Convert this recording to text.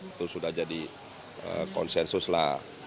itu sudah jadi konsensus lah